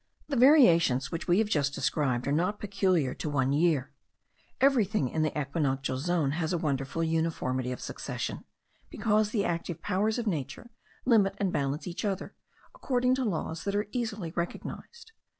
The variations which we have just described are not peculiar to one year. Everything in the equinoctial zone has a wonderful uniformity of succession, because the active powers of nature limit and balance each other, according to laws that are easily recognized.